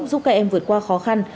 giúp các em vượt qua khó khăn